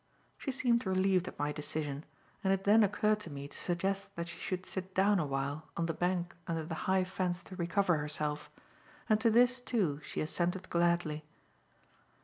She seemed relieved at my decision, and it then occurred to me to suggest that she should sit down awhile on the bank under the high fence to recover herself, and to this, too, she assented gladly.